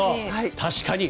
確かに。